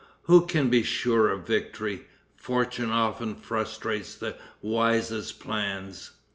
Who can be sure of victory? Fortune often frustrates the wisest plans.